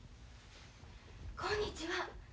・こんにちは。